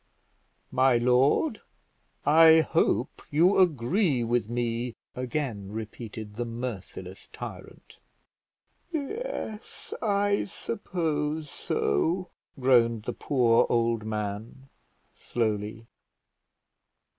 "My lord, I hope you agree with me," again repeated the merciless tyrant. "Yes, I suppose so," groaned the poor old man, slowly.